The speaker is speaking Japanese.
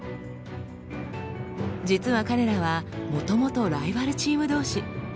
実は彼らはもともとライバルチーム同士。